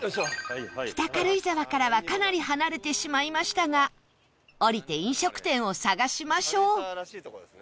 北軽井沢からはかなり離れてしまいましたが降りて飲食店を探しましょう